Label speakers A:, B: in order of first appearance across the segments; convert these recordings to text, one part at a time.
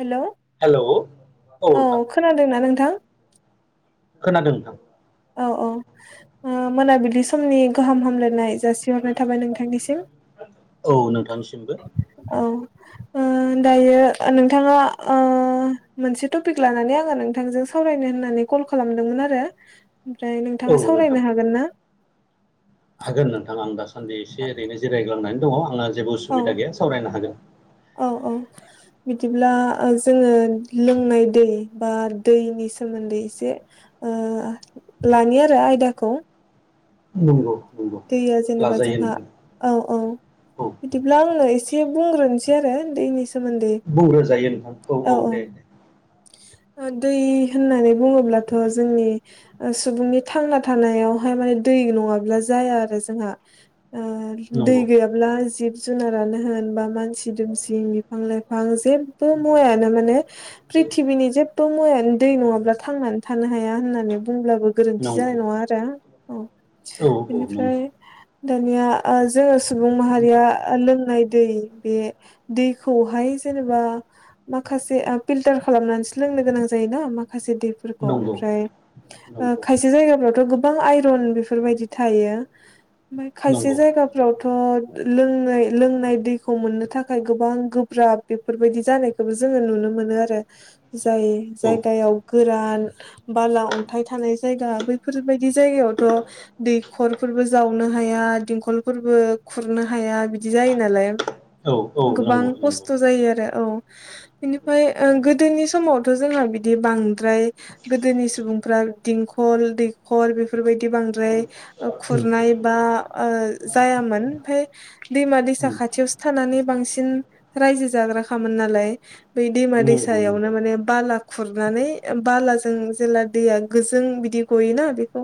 A: हेल'
B: hello औ
A: औ
B: नोंथां
A: खोनादोंना नोंथां।
B: खोनादों नोंथां।
A: औ औ ओ मोनाबिलि समनि गाहाम हामलायनाय जासिहरनाय थाबाय नोंथांनिसिम
B: औ नोंथांनिसिमबो
A: औ ओ। दायो नोंथाङा ओ मोनसे टपिक लानानै आङो नोंथांजों सावरायनो होननानै कल खालामदोंमोन आरो ओमफ्राय
B: औ
A: नोंथाङा
B: नोंथां
A: सावरायनो हागोन ना?
B: हागोन नोंथां आं दासान्दि एसे ओरैनो जिरायग्लांनानै दङ आङो जेबो
A: औ
B: उसुबिदा गैया सावरायनो हागोन।
A: [inaudible] बिदिब्ला ओ जोङो लोंनाय दै बार दैनि सोमोन्दै एसे ओ लानि आरो आयदाखौ
B: नंगौ नंगौ
A: दैया जेनेबा
B: लाजायो
A: जोंहा
B: नोंथां
A: औ औ
B: औ
A: बिदिब्ला आंनो एसे बुंग्रोनोसै आरो दैैनि सो
B: बुंग्रोजायो नोंथां औ औ दे दे।
A: ओ दै होननानै बुङोब्लाथ' जोंनि सुबुंनि थांना थानायावहाय दै नङाब्ला जाया आरो जोंहा ओ दै
B: नंगौ
A: गैयाब्ला जिब जुनारानो होन बा मानसि दुमसि बिफां लाइफां जेबबो मुवायानो माने प्रिथिबिनि जेबो मुवायानो दै नङाब्ला थांनानै थानो हाया होननानै बुंब्लाबो गोरोन्थि
B: नंगौ
A: जानाय नङा औ
B: औ औ नंगौ
A: बेनिफ्राय दानिया ओ जोङो सुबुं माहारिया लोंनाय दै बे दैखौहाय जेनेबा माखासे आ पिल्टार खालामनानैसो लोंनो गोनां जायोना मा खायसे दैफोरखौ
B: नंगौ
A: ओमफ्राय ओ
B: नंगौ
A: खायसे जायगाफ्रावथ' गो बां आइरन बेफोरबायदि थायो ओमफाय खायसे
B: नंगौ
A: जायगाफ्रावथ' लोंनाय दैखौ मोननो थाखाय गोबां गोब्राब बेफोरबायदि जानायखौबो जोङो नुनो मो नो आरो जाय
B: औ
A: जायगायाव गोरान बाला अन्थाइ थानाय जायगा बैफोरबायदि जायगायावथ' दैखरफोरबो जावनो हाया देंखलफोरबो खुरनो हाया। बिदि जायो नालाय
B: औ औ
A: गोबां
B: नंगौ नंगौ
A: खस्थ' जायो आरो औ बिनि फाय ओ गोदोनि समावथ' जोंहा बिदि बांद्राय गोदोनि सुबुं फ्रा देंखल दैखर बेफोरबायदि बांद्र
B: उम
A: खुरनाय बा ओ जाया मोन फाय दैमा दैसा
B: उम
A: खा थियावसो थानानै बांसिन रायजो जाग्रा खामोन नालाय बै दैमा
B: नंगौ
A: दैसायावनो
B: नंगौ
A: माने बाला खुरनानै बला जों जेला दैया गोजों बिदि गयोना बेखौ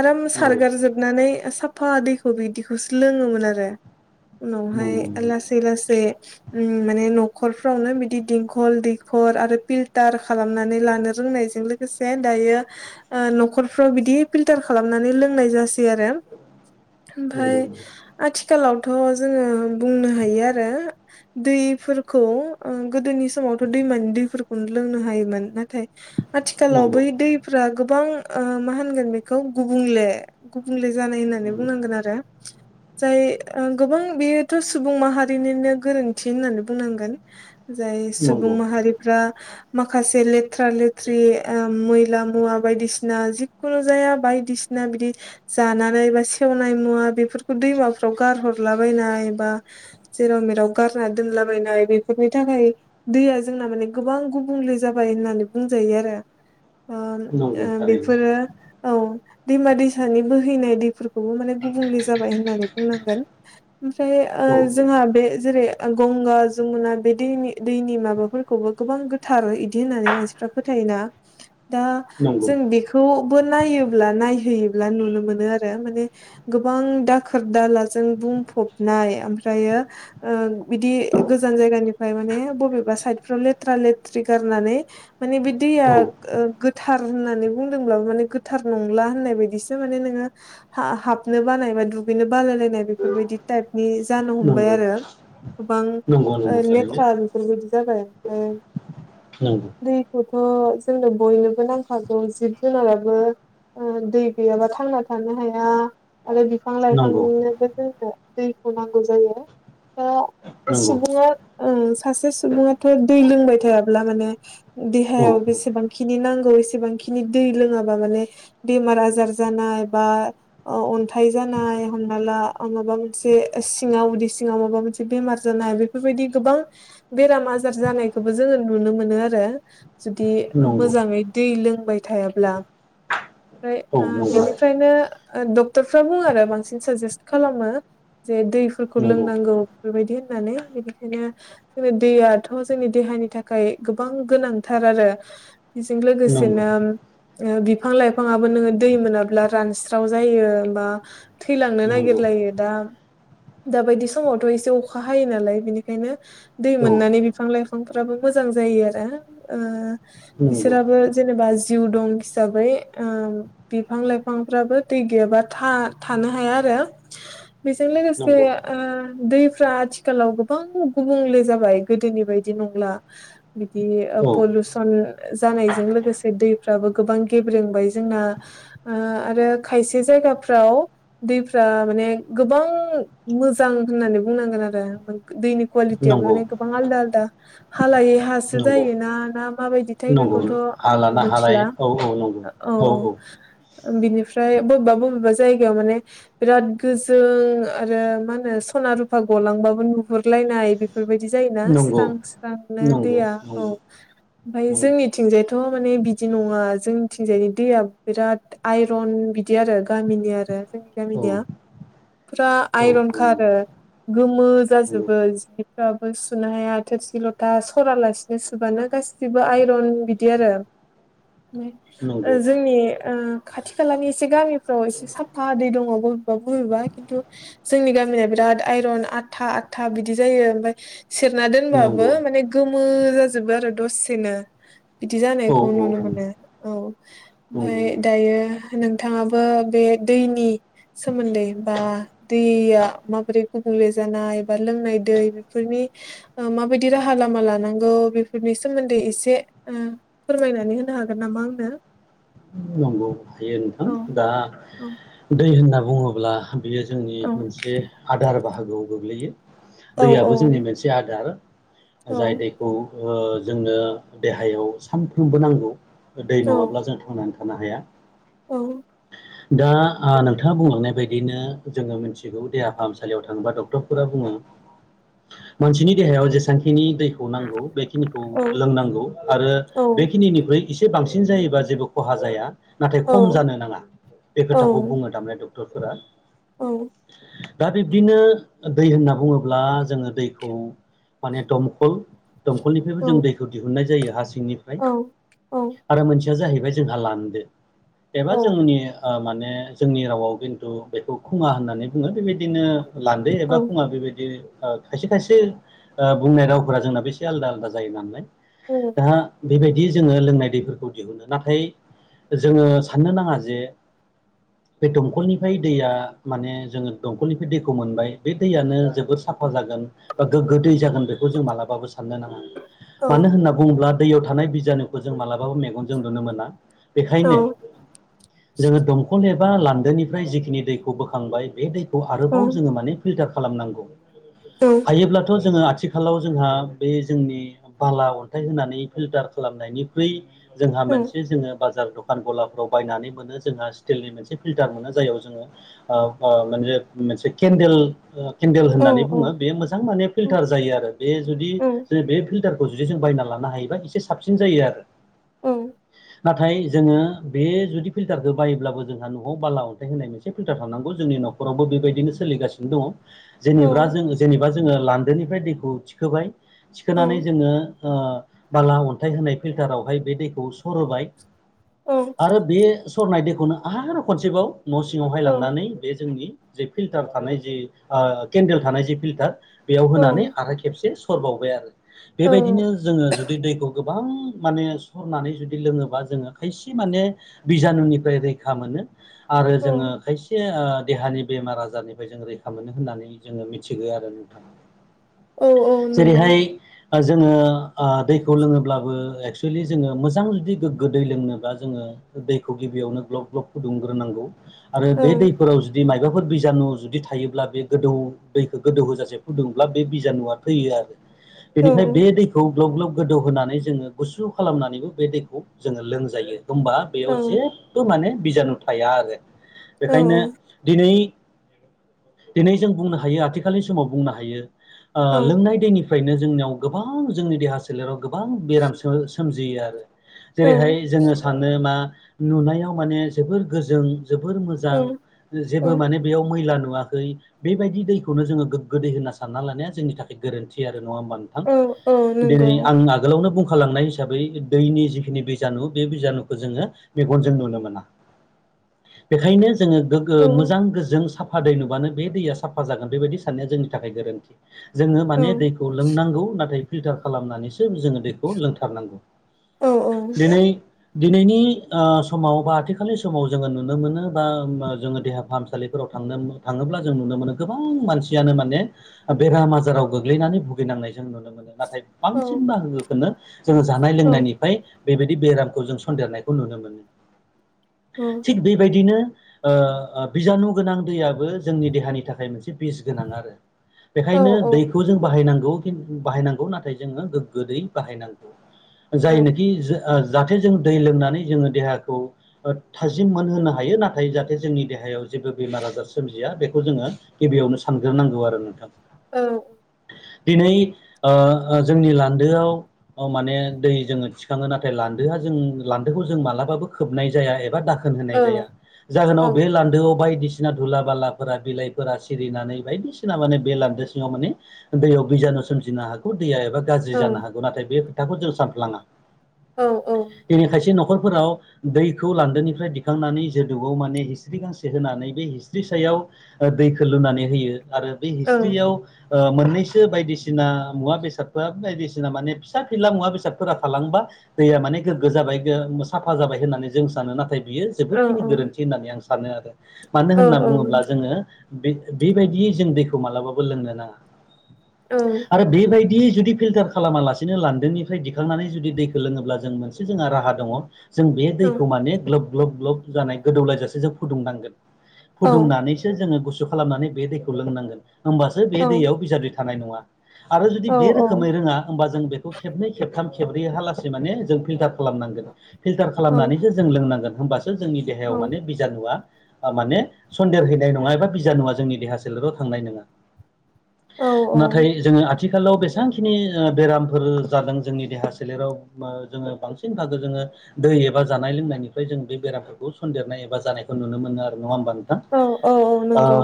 A: आराम
B: नंगौ
A: सारगार जोबनानै सा फा दैखौ बिदिखौसो लोङोमोन आरो उनावहाय
B: नंगौ नंगौ
A: लासै लासै उम माने न'खरफ्रावनो बिदि देंखल दैखर आरो पिल्टार खालामनानै लानो रोंनायजों लोगोसे दायो ओ न'खरफ्राव बिदि पिल्टार खालामनानै लोंनाय जासै आरो ओमफाय
B: नंगौ
A: थ' जोङो बुंनो हायो आरो दैफोरखौ ओ गोदोनि समावथ' दैमानि दैफोरखौनो लोंनो हायोमोन नाथाय आथिखालाव
B: नंगौ
A: बै
B: नंगौ
A: दैफोरा गोबां ओ मा होनगोन बेखौ गुबुंले गुबुंले जानाय होननानै बुंनांगोन आरो जाय ओ गोबां बेयोथ' सुबुं माहारिनिनो गोरोन्थि होननानै बुंनांगोन जाय सुबुं
B: नंगौ
A: माहारिफ्रा माखासे लेथ्रा -लेथ्रि ओम मैला मुवा बायदिसिना जिखुनु जाया बायदिसि ना बिदि जानानै बा सेवनाय मुवा बेफोरखौ दैमाफ्राव गारहरलाबायनाय बा जेराव मेराव गारना दोनलाबायनाय बेफोरबायदि थाखाय दैया जोंना माने गोबां गुबुंले जाबाय होननानै बुंजायो आरो ओम ओ
B: नंगौ थारैनो
A: बेफोरो औ दैमा - दैसानि बोहैनाय दैफोरखौबो माने गुबुंले जाबाय होननानै बुंनांगोन ओमफ्राय ओ
B: औ औ
A: जोंहा बे जेरै गंगा जमुना बे दैनि दैनि माबाफोरखौबो गोबां गोथार इदि होननानै मानसिफ्रा फोथायोना दा
B: नंगौ
A: जों बेखौ खौबो नायोब्ला नायहैयोब्ला नुनो मोनो आरो माने गोबां दाखोर- दाला जों बुंफबनाय ओमफ्रायो ओ बिदि गोजान जायगानि ओमफ्राय माने बबेबा साइदफ्राव लेथ्रा -लेथ्रि गारनानै माने बे दैया
B: औ
A: ओ गोथार होनानै बुंदोंब्ला माने गोथार नंला होननाय बायदिसो माने नोङो हा हाबनो बानाय बा दुट बालायलायनाय बेफोरबायदि टाइपनि जानो हमबाय
B: नंगौ
A: आरो गोबां
B: नंगौ
A: ओ
B: नंगौ थारैनो
A: लेथ्रा बेफोरबायदि जाबाय ओमफ्राय
B: नंगौ
A: दैखौथ' जोंनो बयनोबो नांखागौ जिब जुनाराबो ओ दै गैयाबा थांना थानो हाया आरो बिफां -
B: नंगौ
A: लाइफांनिनोबो जोंनो दैखौ नांगौ जायो
B: नंगौ
A: सुबुङा ओ सासे सुबुङाथ' दै लोंबाय थायाब्ला माने
B: औ
A: देहायाव
B: औ
A: बेसेबांखिनि नांगौ ऐसेबांखिनि दै लोंङाबा माने बेमार-आजार जानाय बा ओ अन्थाइ जानाय नाय हमना ला ओ माबा मोनसे सिङाव उदै सिङाव माबा मोनसे बेमार जानाय बेफोरबायदि गोबां बेराम - आजार जानायखौबो जोङो नुनो मोनो आरो जुदि
B: नंगौ
A: मोजाङै दै लोंबाय थायाब्ला ओमफ्राय
B: औ
A: ओ बिनिफ्रायनो ओ डक्टरफ्रा बुङो आरो बांसिन साजेस्ट खालामो जे दैफोरखौ
B: नंगौ
A: लोंनांगौ बेफोरबायदि होननानै बि ओंखायनो अबे दैयाथ' जोंनि देहानि थाखाय गोबां गोनांथार आरो बेजों
B: नंगौ
A: लोगोसेनो ओ बिफां - लाइफाङाबो नोङो दै मोनाब्ला रानस्राव जायो बा थैलांनो
B: नंगौ नंगौ
A: नागिर दा दा बायदि समावथ' एसे अखा हायो नालाय बिनि दै
B: औ
A: मोननानै बिफां- लाइफांफोराबो मोजां जायो आरो ओ
B: नंगौ
A: बिसोरा ओ जेनेबा जिउ दं हिसाबै ओम बिफां- लाइफांफ्राबो दै गैयाबा था थानो हाया आरो बेजों लोगोसे
B: नंगौ
A: ओ दैफ्रा आथिखालाव गोबां गुबुंले जाबाय गोदोनि बायदि नंला बिदि
B: औ
A: पलुसन जानायजों लोगोसे दैफ्राबो गोबां गेब्रोंबाय जोंना ओ आरो खायसे जाय जायगाफोराव दैफ्रा माने गोबां मोजां होननानै बुंनांगोन आरो दैनि कुवालिटिया
B: नंगौ
A: माने गोबां आलदा - आलदा हालायै हासो
B: नंगौ
A: जायोना ना माबायदिथाय
B: नंगौ
A: बेखौथ'
B: हा
A: आं
B: लाना हा लायै
A: मिथिला
B: औ नंगौ
A: औ- औ ओं बिनि ओमफ्राय बबेबा- बबेबा जायगायाव माने बिराद गोजों आरो मा होनो सना रुफा ग लांबाबो नुहुरलायनाय बिफ बेफोरबायदि जायोना
B: नंगौ
A: स्रां स्रांनो
B: नंगौ
A: दैया औ
B: नंगौ
A: ओमफ्राय
B: नंगौ
A: जोंनिथिंजायथ' माने बिदि नङा जोंनिथिंजायनि दैया बिराद आइरन बिदि आरो गामिनि आरो जोंनि
B: औ
A: गामिनिया फुरा आयरन
B: औ
A: खा आरो
B: नंगौ
A: गोमो जाजोब
B: नंगौ
A: बो जिफ्राबो सुनो हाया थोरसि लथा सरालासिनो सुबानो गासिबो आइरन बिदि आरो ओ
B: नंगौ
A: जोंनि ओ खाथि खालानि एसे गामिफ्राव एसे साफा दैै दङ। बबेबा बबेबा खिन्थु जोंनि गामिया बिरादत आयरन आथा आथ था बिदि जायो ओमफ्राय सेरना दोनबाबो
B: नंगौ
A: माने गोमो जाजोबो आरो दसेनो बिदि
B: औ औ
A: जानायखौ
B: औ
A: नुनो मोनो। औ।
B: नंगौ
A: ओमफाय दायो नोंथाङाबो बे दैनि सोमोन्दै बा दैया माबोरै गुबुंले जानाय बा लोंनाय दै बेफोरनि माबायदि राहा लामा लानांगौ बेफोरनि सोमोन्दै एसे ओ फोरमायनानै होनो हागोन नामा आंनो?
B: नंगौ हायो नोंथां
A: औ
B: दा
A: औ
B: दै होनना बुङोब्ला बियो जोंनि
A: औ
B: मोनसे आदार बाहागोआव गोग्लैयो
A: औ
B: दैयाबो जोंनि मोनसे आदार। जाय दैखौ ओ जोंनो देहायाव सानफ्रोमबो नांगौ। दै
A: औ
B: नङाब्ला जों थांनानै थानो हाया।
A: औ।
B: दा आ नोंथाङा बुंलांनाय बायदियैनो जोङो मिथिगौ देहा फाहामसालियाव थाङोबा डक्टरफोरा बुं
A: [inaudible]
B: मानसिनि देहायाव जेसेबांखिनि दैखौ नांगौ बेखिनिखौ लोंनांगौ आरो बेखिनिनिफ्राय एसे बांसिन जायोबा जेबो खहा जाया नाथाय
A: औ
B: खम जानो नाङा। बे
A: औ
B: खोथाखौ बुङो थारमे डक्टरफोरा।
A: औ।
B: दा बिब्दिनो दै होनना बुङोब्ला जोङो दैखौ माने दमखल दंखलनिफ्रायबो जों दैखौ दिहुननाय जायो हा सिंनिफ्राय
A: औ औ
B: आरो मोनसे जाहैबाय जोंहा लान्दो एबा जोंनि ओ माने जोंनि रावाव खिन्थु बेखौ खुङा होननानै बुङो। बेबायदिनो लांदो
A: औ
B: एबा खङा बेबायदि ओ खायसे खायसे ओ बुंनाय रावफोरा जोंनाो एसे आलादा आलादा जायो नालाय। दा बेबायदि जोङो लोंनाय दैफोरखौ दिहुनो नाथाय जोङो साननो नाङा जे
A: [inaudible]
B: बे दमखलनिफ्राय दैया माने जोङो दमखलनिफ्राय दैखौ मोनबाय बे दैयानो जोबद साफा जा गोग्गो दै जागोन बेखौ जों मालाबाबो साननो नाङा मानो होनना बुङोब्ला दैयाव थानाय बिजानुखौ जों मालाबाबो मेगनजों नुनो मोना।
A: औ।
B: बेखायनो
A: [inaudible]
B: जोङो दंखल एबा लान्दोनिफ्राय जिखिनि दैखौ बोखांबाय बे दैखौ
A: औ
B: आरोबाव जोङो माने फिल्टार खालाम खालामनांगौ
A: औ
B: हायोब्लाथ' जोङो आथिखालाव जोंहा बे जोंनि बाला अन्थाइ होनानै फिल्टार खालामनायनिख्रुइ जोंहा
A: औ
B: मोनसे जोङो बाजार दखान गलाफ्राव बायनानै मोनो। जोंहा स्टिलनि मोनसे फिल्टार मोनो जाय जोङो ओ माने मोनसे केन्देल केन्देल
A: औ
B: होननानै
A: औ
B: बुङो बे मोजां माने फिल्टार जायो आरो बे जुदि
A: औ
B: ज बे फिल्टार जुदि जों बायनानै लानो हायोबा एसे साबसिन जायो आरो।
A: औ।
B: नाथाय जोङो बे जुदि फिल फिल्टारखौ बायोब्लाबो जोंहा न'आव बाला अन्थाइ होनाय मोन फिल्टार थांनांगौ जोंनि न'खरावबो बेबायदिनो सोलिगासिनो दङ।
A: औ
B: जेनेबा जों जेनेबा जोङो लान्दोनिफ्राय दैखौ थिखोबाय
A: औ
B: थिखोनानै जोङो ओ बाला अन्थाइ होनाय फिल्टारावहाय बे दैखौ सरोबाय
A: औ
B: आरो बे सरनाय दैखौनो आरो खनसेबाव न' सिङावहाय लांनानै बे जोंनि जा फिल्टार थानाय जि ओ केन्देल थानाय जि फिल्टार बेयाव होनानै आराय खेबसे स बावबाय आरो
A: औ
B: बेबायदिनो जोङो जुदि दैखौ गो गो बा माने सरनानै जुदि लोङोब्ला जोङो खायसे माने बिज बिजानुनिफ्राय रैखा मोनो आरो जोङो
A: औ
B: खायसे ओ देहानि बेमार आजारनिफ्राय जों रैखा मोनो होननानै जोङो मिथिगौ आरो नोंथां
A: औ औ नंगौ
B: जेरैहाय ओ जोङो ओ दैखौ लोङोब्ला एक्स वेलि जोङो मोजां जुदि गोग्गो दै लोंनोब्ला जोङो दैखौ गिबियावनो ग्लब ग्लब फुदुंग्रोनांगौ आरो
A: औ
B: बे दैफोराव जुदि माइबा बेफोर बिजानु जुदि थायोब्ला बे गोदौ दैखौ गोदौ होजासे फुदुंब्ला बे बिजानुआ थैयो आरो
A: औ
B: बेनिफ्राय बे दैखौ ग्लाब ग्लाब गोदौ होनानै जोङो गुसु खालामनानैबो बे दैखौ जोङो लोंजायो होमबा
A: औ
B: बेयाव जेबो माने बिजानु थाया आरो
A: औ
B: बेखायनो दिनै दिनै जों बुंनो हायो आथिखालनि समाव बुंनो हायो ओ
A: औ
B: लोंनाय दैनि फ्रायनो जोंनियाव गोबां जोंनि देहा सोलेराव गोबां बेराम सोम-सोमजियो आरो
A: औ
B: जेरैहाय जोङो सानो मा नुनायाव माने जोबोर गोजों जोबोर मोजां
A: औ औ
B: जेबो माने बेयाव मैला नुवाखै बेबायदि दैखौनो जोङो गोग्गो दै होनना सानना लानाया जोंनि थाखाय गोरोन्थि आ रो नङा होमबा नोंथां दिनै आं आगोलावनो बुं खालांनाय हिसाबै दैनि जिखिनि बिजानु बे बिजानुखौ जोङो मेगनजों नुनो मोना बेखायनो जोङो गोगो मोजां गोजों साफ फा दै नुबानो बे दैया साफा जागोन बेबायदि साननाया जोंनि थाखाय गोरोन्थि जोङो माने दैखौ लोंनांगौ नाथाय फिल्टार खालामनानै सो जोङो दैखौ लोंथारनांगौ दिनै दिनैनि ओ समाव बा आथिखालनि समाव जोङो नुनो मोनो बा जोङो देहा फाहामसालिफोराव थांनो थाङो ब्ला जों नुनो मोनो गोबां मानसियानो माने बेराम आजाराव गोग्लैनानै भुगिनांनाय जों नुनो मोनो नाथाय बांसिन बाहागोखौनो जोङो जानाय लोंनायनिफ्राय बेबायदि बेरामखौ जों सन्देरनाय खौ नुनो मोनो थिग बेबायदिनो ओ बिजानु गोनां दैयाबो जोंनि देहानि थाखाय मोनसे बिस गोनां आरो बेखायनो दैखौ जों बाहायनां बाहायनांगौ नाथाय जोङो गोगो दै बाहायनांगौ जायनाखि जो जाहाथे जों दै लोंनानै जोङो देहाखौ थाजिम मोनहोनो हायो नाथाय जाहाथे जोंनि देहायाव जेबो बेमार आजार सोमजिया बेखौ जोङो गिबियावनो सानग्रोनांगौ आरो नोंथां
A: औ
B: दिनै ओ ओ जोंनि लान्दोआव माने दै जोङो थिखाङो नाथाय लान्दो दो जों लान्दो बेखौ मालाबाबो खोबनाय जाया एबा दाखोन होनाय जाया जाहोनाव बे लान्दोआव बायदि बायसिना धुला बालाफोरा बिलाइफोरा सिरिनानै बायदिसिना माने बे लान्दो सिङाव माने दैयाव बिजा नुसोमजिनो हागौ दैया एबा गाज्रि जानो हागौ नाथाय बे खोथाखौ जों सानफ्लाङा
A: औ औ
B: दिनै खायसे न'खरफोराव दैखौ लान्दोनिफ्राय दिखांनानै जोदौआव माने हिस्रि गांसे होनानै बे हिस्रि सायाव ओ दैखौ लुनानै होयो आरो बे हिस्रियाव ओ मोननैसो बायदिसिना मुवा बेसादफोरा बायदिसिना माने फिसा फिला मुवा बेसादफोरा थालांबा दैया माने गोगो जाबाय साफा जाबाय होननानै जों सानो नाथाय बियो जोबोरखिनि गोरोन्थि होननानै आं सानो आरो मानो होनना बुङोब्ला जोङो बे-बेबायदियै जों दैखौ मालाबाबो लोंनो नाङा आरो बेबायदि जुदि फिल्टार खालामालासेनो लान्दोनिफ्राय दिखांनानै जुदि दैखौ लोङोब्ला जों मोनसे जोंहा राहा दङ जों बे दैखौ माने ग्लोब ग्लोब ग्लोब जानाय गोदौलायजासे जों फुदुंनांगोन फुदुंनानैसो जोङो गुसु खालामनानै बे दैखौ लोंनांगोन होमबासो बे दैयाव बिजानु थानाय नङा आरो जुदि बे रोखोमै रोङा होमबा जों बेखौ खेबनै खेबथाम खेबब्रै हालासे माने जों फिल्टार खालामनांगोन फिल्टार खालामनानैसो जों लोंनांगोन होमबासो जोंनि देहायाव माने बिजानुआ माने सन्देर हैनाय नङा एबा बिजानुआ नङा जोंनि देहा सोलेराव थांनाय नङा
A: औ औ औ
B: नाथाय जोङो आ थिखालाव बेसेबांखिनि बेरामफोर जादों जोंनि देहा सोलेराव जोङो बांसिनथारखौ जोङो दै एबा जानाय लोंनायनिफ्राय जों बे बेरामफोरखौ सन्देरनाय एबा जानायखौ नुनो मोनो आरो नङा होमबा नोंथां
A: औ औ औ नंगौ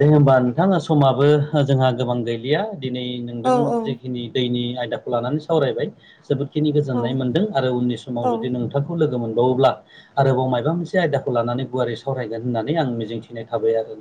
B: दे होमबा नोंथां समाबो जोंहा गोबां गैलिया दिनै
A: औ
B: नोंदों
A: औ
B: जिखिनि दैनि आयदाखौ लानानै सावरायबाय जोबोदखिनि
A: औ
B: गोजोननाय मोनदों आरो उननि समाव
A: औ
B: जुदि नोंथांखौ लोगो मोनबावोब्ला आरोबाव मायबा मोनसे आयदाखौ लानानै गुवारै सावरायगोन होननानै आं मिजिंथिनाय थाबाय आरो